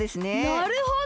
なるほど！